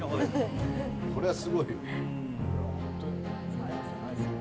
これはすごい。